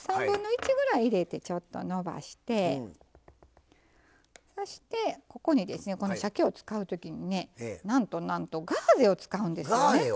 ３分の１ぐらい入れてちょっとのばしてそしてここにこのしゃけを使う時にねなんとなんとガーゼを使うんですよね。